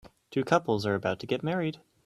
Two couples are about to get married